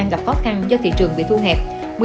có khó khăn do thị trường bị thu hẹp